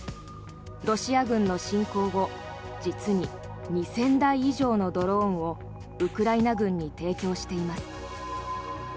ロシア軍の侵攻後実に２０００台以上のドローンをウクライナ軍に提供しています。